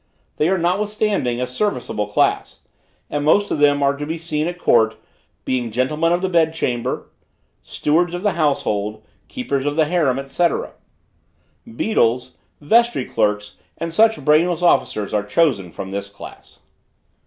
They are notwithstanding a serviceable class: the most of them are to be seen at court; being gentlemen of the bed chamber, stewards of the household, keepers of the harem, &c. Beadles, vestry clerks and such brainless officers are chosen from this class.